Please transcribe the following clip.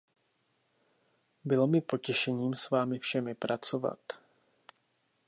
Bylo mi potěšením s vámi všemi pracovat.